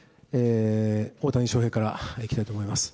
大谷翔平からいきたいと思います。